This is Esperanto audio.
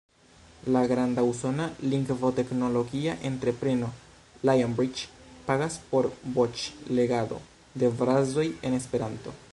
La granda usona lingvoteknologia entrepreno Lionbridge pagas por voĉlegado de frazoj en Esperanto.